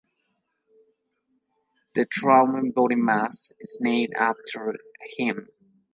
The "Trautman-Bondi mass" is named after him.